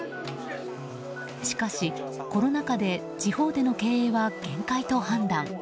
しかし、コロナ禍で地方での経営は限界と判断。